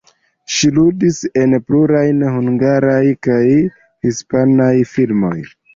Ŝi ludis en pluraj hungaraj kaj hispanaj filmoj.